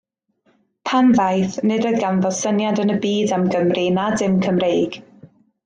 Pan ddaeth, nid oedd ganddo syniad yn y byd am Gymru na dim Cymreig.